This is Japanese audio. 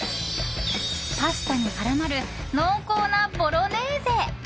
パスタに絡まる濃厚なボロネーゼ。